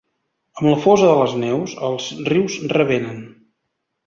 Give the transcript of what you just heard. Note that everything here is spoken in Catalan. Amb la fosa de les neus els rius revenen.